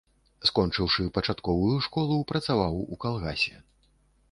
Скончыўшы пачатковую школу, працаваў у калгасе.